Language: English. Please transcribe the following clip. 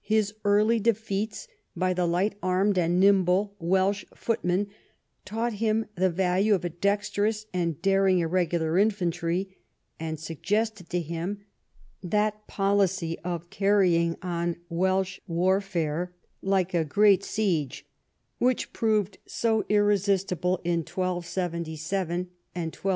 His early defeats by the light armed and nimble Welsh footmen taught him the value of a dexterous and daring irregular infantry, and suggested to him that policy of carrying on Welsh warfare like a great siege, which proved so irresistible in 1277 and 1282.